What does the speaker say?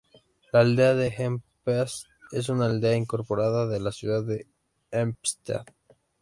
La Aldea de Hempstead es una aldea incorporada de la Ciudad de Hempstead.